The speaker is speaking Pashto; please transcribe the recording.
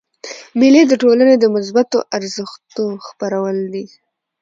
مېلې د ټولني د مثبتو ارزښتو خپرول دي.